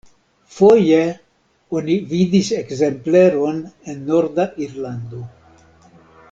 Foje oni vidis ekzempleron en norda Irlando.